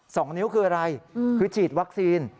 สองนิ้วคืออะไรคือฉีดวัคซีน